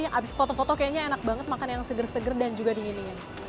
habis foto foto kayaknya enak banget makan yang seger seger dan juga dingin dingin